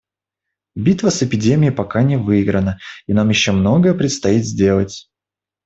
Битва с эпидемией пока не выиграна, и нам еще многое предстоит сделать.